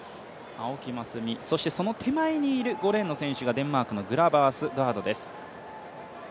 青木益未、そしてその手前にいる５レーンの選手がデンマークのグラバースガードです。